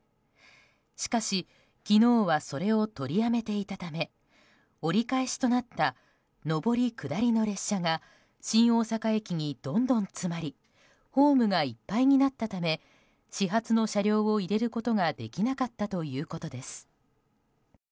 しかし昨日はそれを取りやめていたため折り返しとなった上り下りの列車が新大阪駅にどんどん詰まりホームがいっぱいになったため始発の車両を入れることができなかったということです。